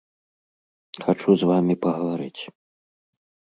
Хачу з вамі пагаварыць!